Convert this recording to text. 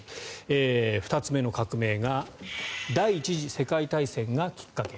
２つ目の革命が第１次世界大戦がきっかけ。